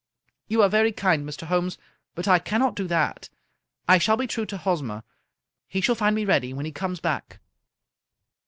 " You are very kind, Mr. Holmes, but I cannot do that. I shall be true to Hosmer. He shall find me ready when he comes back.'